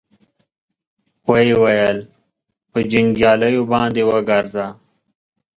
ويې ويل: په جنګياليو باندې وګرځه.